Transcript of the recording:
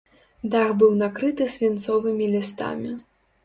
Дах быў накрыты свінцовымі лістамі.